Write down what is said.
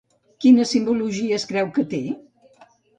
Quina simbologia es creu que té?